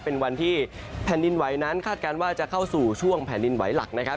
เป็นวันที่แผ่นดินไหวนั้นคาดการณ์ว่าจะเข้าสู่ช่วงแผ่นดินไหวหลักนะครับ